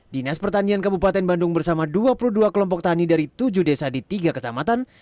dinas pertanian kabupaten bandung bersama dua puluh dua kelompok tani dari tujuh desa di tiga kecamatan